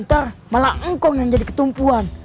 ntar malah engkong yang jadi ketumpuan